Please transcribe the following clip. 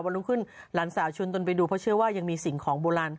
รุ่งขึ้นหลานสาวชวนตนไปดูเพราะเชื่อว่ายังมีสิ่งของโบราณ